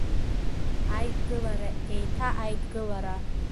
Аидгылара, еиҭа аидгылара.